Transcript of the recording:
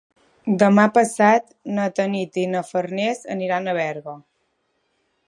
Demà passat na Tanit i na Farners aniran a Berga.